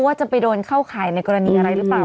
ว่าจะไปโดนเข้าข่ายในกรณีอะไรหรือเปล่า